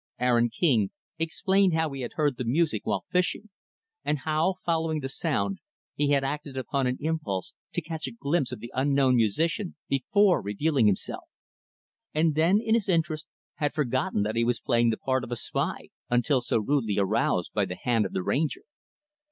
Aaron King explained how he had heard the music while fishing; and how, following the sound, he had acted upon an impulse to catch a glimpse of the unknown musician before revealing himself; and then, in his interest, had forgotten that he was playing the part of a spy until so rudely aroused by the hand of the Ranger.